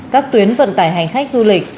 các tuyến vận tải hành khách du lịch